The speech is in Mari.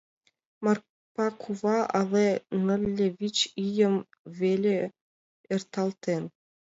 Марпа кува але нылле вич ийым веле эрталтен.